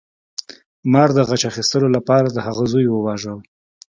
مار د غچ اخیستلو لپاره د هغه زوی وواژه.